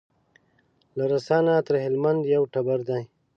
له رسا نه تر هلمند یو ټبر دی